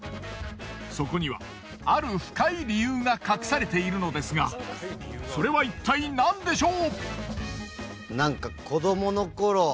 そこにはある深い理由が隠されているのですがそれはいったいなんでしょう？